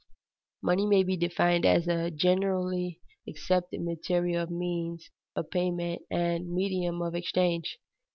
_Money may be defined as a generally accepted material means of payment and medium of exchange.